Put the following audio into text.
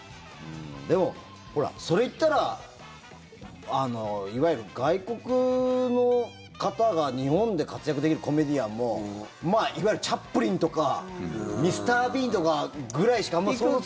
でも、それ言ったらいわゆる外国の方が日本で活躍できるコメディアンもいわゆるチャップリンとかＭｒ．ビーンとかぐらいしかあまり想像つかない。